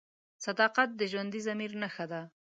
صداقت د ژوندي ضمیر نښه ده.